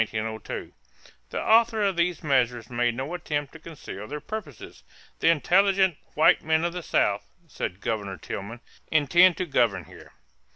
The authors of these measures made no attempt to conceal their purposes. "The intelligent white men of the South," said Governor Tillman, "intend to govern here."